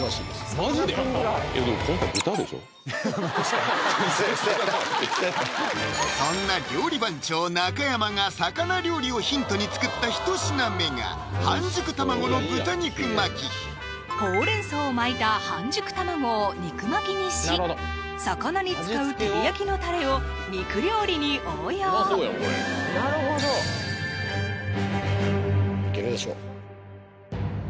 まぁ確かにそんな料理番長・中山が魚料理をヒントに作ったほうれん草を巻いた半熟卵を肉巻きにし魚に使う照り焼きのタレを肉料理に応用いけるでしょ